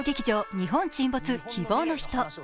「日本沈没−希望のひと−」。